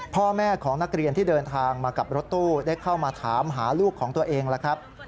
พ่อแม่ของนักเรียนที่เดินทางมากับรถตู้ได้เข้ามาถามหาลูกของตัวเองแล้วครับ